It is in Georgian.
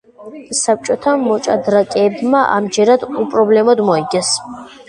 საბჭოთა მოჭადრაკეებმა ამჯერადაც უპრობლემოდ მოიგეს.